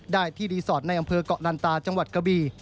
ได้ที่รีสอร์ทในอำเภอกเกาะลันตาจังหวัดกะบี